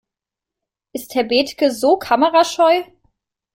Ist Herr Bethke so kamerascheu?